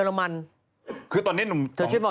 ก็รางวัลนี่ถ้าส่งมา